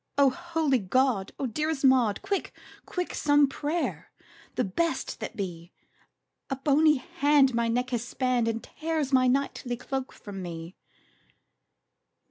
"O holy God! O dearest Maud, Quick, quick, some prayers, the best that be! A bony hand my neck has spanned, And tears my knightly cloak from me!"